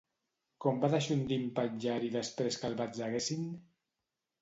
Com va deixondir en Patllari després que el batzeguessin?